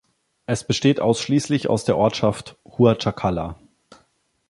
Es besteht ausschließlich aus der Ortschaft "Huachacalla".